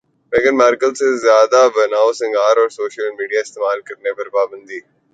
میگھن Markle کے زیادہ بنائو سنگھار اور سوشل میڈیا استعمال کرنے پر پابندی